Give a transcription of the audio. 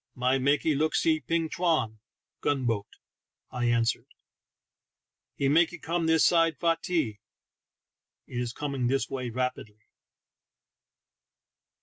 "My makee look see ping chwan" (gun boat), I answered. " He makee come this side fai tee" — it is coming this way rapidly.